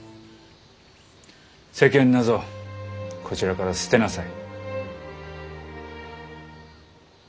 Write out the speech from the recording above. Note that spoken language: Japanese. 世間なぞこちらから捨てなさい。